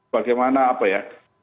bagaimana apa ya